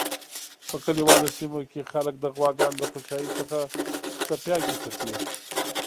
په کلیوالو سیمو کی خلک د غواګانو د خوشایی څخه څپیاکی تپی